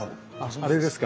あれですか。